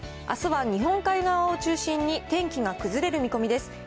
あすは日本海側を中心に天気が崩れる見込みです。